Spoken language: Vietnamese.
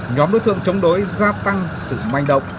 nhóm đối tượng chống đối gia tăng sự manh động